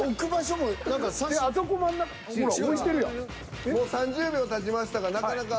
もう３０秒たちましたがなかなか。